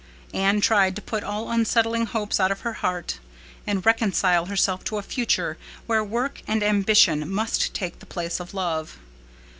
Anne tried to put all unsettling hopes out of her heart, and reconcile herself to a future where work and ambition must take the place of love.